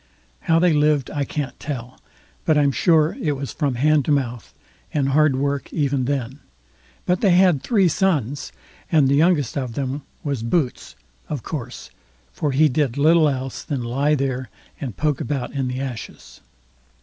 How they lived I can't tell, but I'm sure it was from hand to mouth, and hard work even then; but they had three sons, and the youngest of them was Boots, of course, for he did little else than lie there and poke about in the ashes.